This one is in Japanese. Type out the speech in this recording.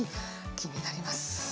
気になります。